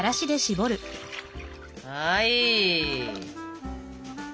はい！